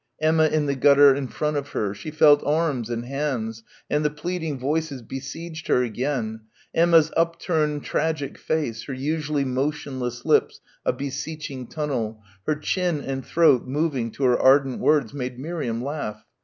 Emma in the gutter in front of her. She felt arms and hands, and the pleading voices besieged her again. Emma's upturned tragic face, her usually motionless lips a beseeching tunnel, her chin and throat moving to her ardent words made Miriam laugh.